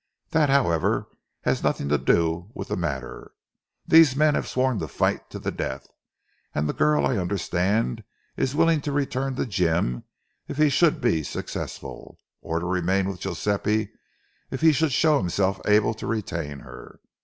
That, however, has nothing to do with the matter. These men have sworn to fight to the death, and the girl, I understand, is willing to return to Jim if he should be successful, or to remain with Guiseppe if he should show himself able to retain her.